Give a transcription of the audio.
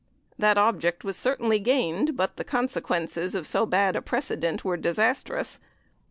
The object was certainly gained, but the consequences of so bad a precedent were disastrous.